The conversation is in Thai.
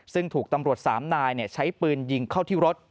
ซึ่งถูกตำรวจ๓นายใช้ปืนยิงเข้าที่รถ